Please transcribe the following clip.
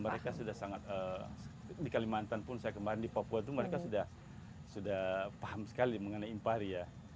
mereka sudah sangat di kalimantan pun saya kemarin di papua itu mereka sudah paham sekali mengenai impari ya